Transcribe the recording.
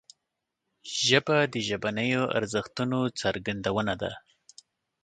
ژبه د ژبنیو ارزښتونو څرګندونه ده